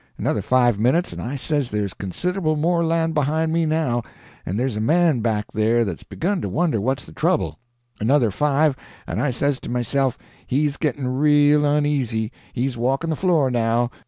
Another five minutes and I says there's considerable more land behind me now, and there's a man back there that's begun to wonder what's the trouble. Another five and I says to myself he's getting real uneasy—he's walking the floor now.